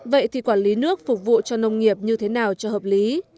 vậy thì quản lý nước phục vụ cho nông nghiệp như thế nào cho hợp lý